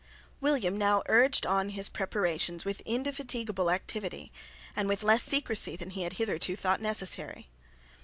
William now urged on his preparations with indefatigable activity and with less secrecy than he had hitherto thought necessary.